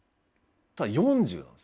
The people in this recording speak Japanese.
ただ４０なんですよ。